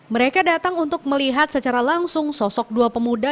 mereka datang untuk melihat secara langsung sosok dua pemuda